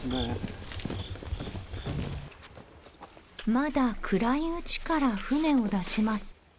まだ暗いうちから船を出します。